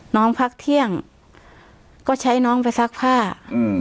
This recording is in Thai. น้องพักเที่ยงก็ใช้น้องไปซักผ้าอืม